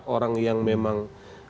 orang yang memang